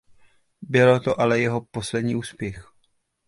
Byl to ale jeho poslední úspěch.